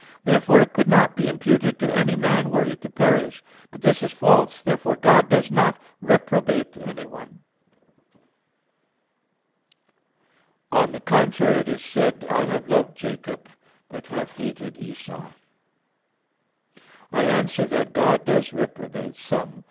Therefore it could not be imputed to any man, were he to perish. But this is false. Therefore God does not reprobate anyone. On the contrary, It is said (Malachi 1:2,3): "I have loved Jacob, but have hated Esau." I answer that, God does reprobate some.